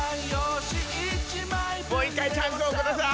もう一回チャンスをください。